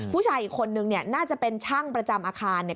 ผู้ชายอีกคนนึงเนี่ยน่าจะเป็นช่างประจำอาคารเนี่ย